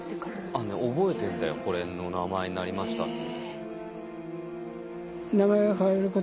覚えてんだよこれの名前になりましたって。